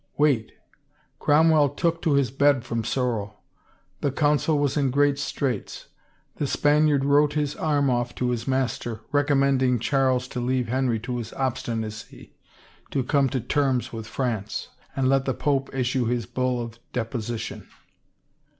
" Wait. Cromwell took to his bed from sorrow. The Council was in great straits. The Spaniard wrote his arm off to his master, recommending Charles to leave Henry to his obstinacy, to come to terms with France, and let the pope issue his bull of deposition."